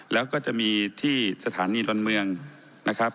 แล้วก็จะมีที่สถานีดอนเมืองนะครับ